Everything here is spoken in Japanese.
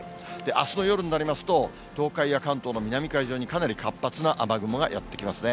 あすの夜になりますと、東海や関東の南海上にかなり活発な雨雲がやって来ますね。